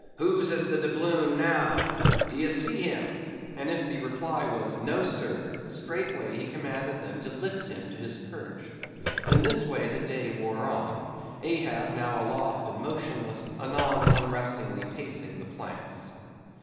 —"Whose is the doubloon now? D'ye see him?" and if the reply was, No, sir! straightway he commanded them to lift him to his perch. In this way the day wore on; Ahab, now aloft and motionless; anon, unrestingly pacing the planks.